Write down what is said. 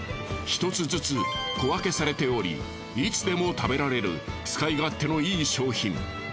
１つずつ小分けされておりいつでも食べられる使い勝手のいい商品。